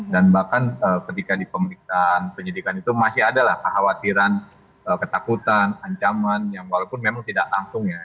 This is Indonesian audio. dan bahkan ketika di pemerintahan penyidikan itu masih ada lah khawatiran ketakutan ancaman yang walaupun memang tidak langsung ya